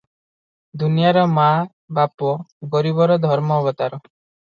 ଦୁନିଆଁର ମା' ବାପ, ଗରିବର ଧର୍ମାବତାର ।